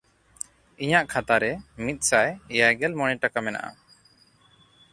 ᱤᱧᱟᱜ ᱠᱷᱟᱛᱟ ᱨᱮ ᱢᱤᱫᱥᱟᱭ ᱮᱭᱟᱭᱜᱮᱞ ᱢᱚᱬᱮ ᱴᱟᱠᱟ ᱢᱮᱱᱟᱜᱼᱟ᱾